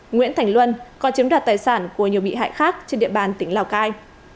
nguyễn thành luân có chiếm đoạt tài sản của nhiều bị hại khác trên địa bàn tỉnh lào cai